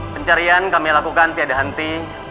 pencarian kami lakukan tiada henti